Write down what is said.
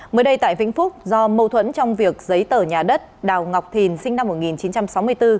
mới đây tại vĩnh phúc do mâu thuẫn trong việc giấy tờ nhà đất đào ngọc thìn sinh năm một nghìn chín trăm sáu mươi bốn